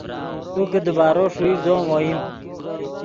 تو کہ دیبارو ݰوئیت زو ام اوئیم